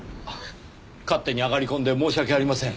勝手に上がり込んで申し訳ありません。